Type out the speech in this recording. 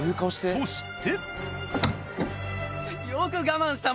そして。